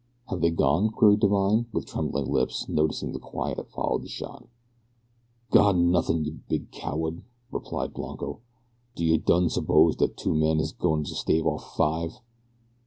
"Have they gone?" queried Divine, with trembling lips, noticing the quiet that followed the shot. "Gone nothin', yo big cowahd," replied Blanco. "Do yo done suppose dat two men is a gwine to stan' off five?